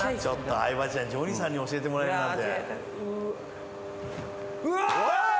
相葉ちゃんジョニーさんに教えてもらえるなんて。